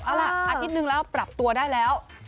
เอาล่ะอาทิตย์นึงแล้วปรับตัวได้แล้ว